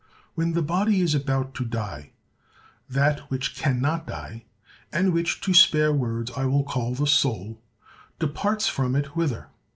When the body is about to die, that which can not die, and which, to spare words, I will call THE SOUL, departs from it—whither?